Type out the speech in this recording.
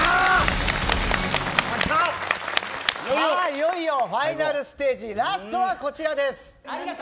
いよいよ、ファイナルステージラストはこちらです。